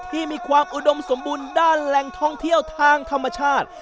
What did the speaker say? ที่มีความอุดมสมบูรณ์ด้านแหล่งท่องเที่ยวทางธรรมชาติ